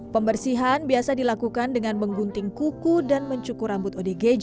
pembersihan biasa dilakukan dengan menggunting kuku dan mencukur rambut odgj